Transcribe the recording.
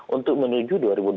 untuk menuju dua ribu dua puluh